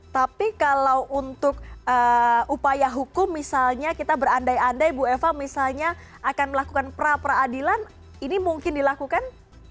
tapi kalau untuk upaya hukum misalnya kita berandai andai bu eva misalnya akan melakukan pra peradilan ini mungkin dilakukan